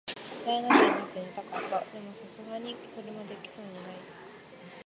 大の字になって寝たかった。でも、流石にそれはできそうもない。